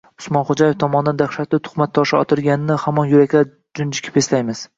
Usmonxo`jaev tomonidan dahshatli tuhmat toshlari otilganini hamon yuraklar junjikib eslaymiz